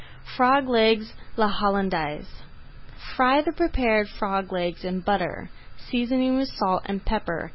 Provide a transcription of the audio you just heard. FROG LEGS À LA HOLLANDAISE Fry the prepared frog legs in butter, seasoning with salt and pepper.